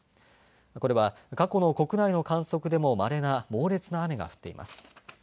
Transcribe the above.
これは過去の国内の観測でもまれな猛烈な雨が降っています。